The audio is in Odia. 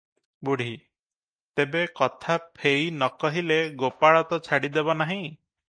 ବୁଢୀ - ତେବେ, କଥା ଫେଇ ନ କହିଲେ ଗୋପାଳ ତ ଛାଡ଼ି ଦେବ ନାହିଁ ।